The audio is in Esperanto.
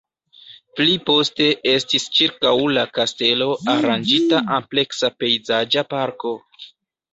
Pli poste estis ĉirkaŭ la kastelo aranĝita ampleksa pejzaĝa parko.